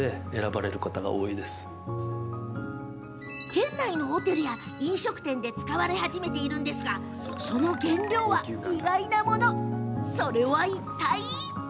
県内のホテルや飲食店で使われ始めていますがその原料は意外なものなんです。